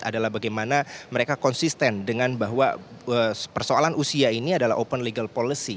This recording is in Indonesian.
adalah bagaimana mereka konsisten dengan bahwa persoalan usia ini adalah open legal policy